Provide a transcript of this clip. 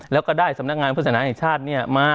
แล้วก็ได้สำนักงานพุทธศาสนาในชาติเนี่ยมา